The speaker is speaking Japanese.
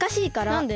なんで？